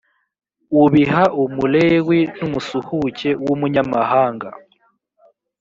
ubiha umulewi n umusuhuke w umunyamahanga